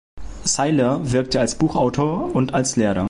Sailer wirkte als Buchautor und als Lehrer.